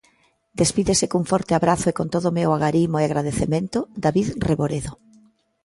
Despídese cun forte abrazo e con todo o meu agarimo e agradecemento: David Reboredo.